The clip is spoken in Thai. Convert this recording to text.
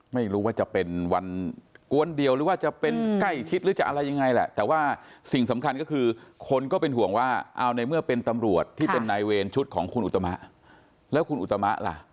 ไม่รู้ว่าจะเป็นวันกวนเดียวหรือว่าจะเป็นใกล้ชิดหรือจะอะไรยังไงแหละแต่ว่าสิ่งสำคัญก็คือคนก็เป็นห่วงว่าเอาในเมื่อเป็นตำรวจที่เป็นนายเวรชุดของคุณอุตมะแล้วคุณอุตมะล่ะ